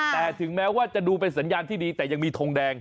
แต่ถึงแม้ว่าจะดูเป็นสัญญาณที่ดีแต่ยังมีทงแดง